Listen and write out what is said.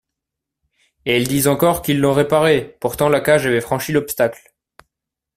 Et ils disent encore qu'ils l'ont réparé ! Pourtant, la cage avait franchi l'obstacle.